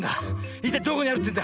いったいどこにあるってんだ？